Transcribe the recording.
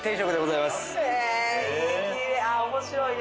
いやー面白いね